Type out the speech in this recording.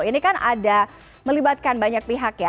ini kan ada melibatkan banyak pihak ya